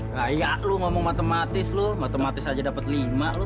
kayak lu ngomong matematis matematis aja dapet lima